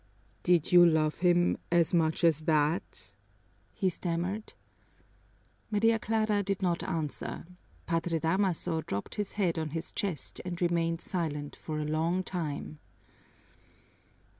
"Did you love him as much as that?" he stammered. Maria Clara did not answer. Padre Damaso dropped his head on his chest and remained silent for a long time.